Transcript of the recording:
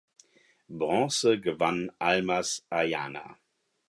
Bronze gewann Almaz Ayana.